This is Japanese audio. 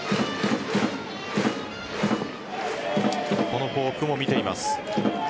このフォークも見ています。